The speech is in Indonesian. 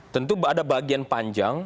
tentu ada bagian panjang